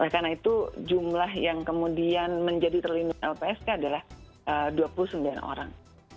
karena itu jumlah yang kemudian menjadi terlindung lpsk adalah dua puluh sembilan orang